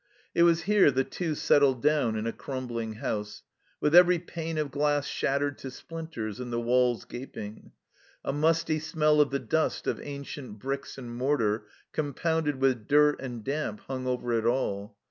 It was here the Two settled down in a crumb ling house, with every pane of glass shattered to splinters and the walls gaping. A musty smell of the dust of ancient bricks and mortar, compounded with dirt and damp, hung over it all.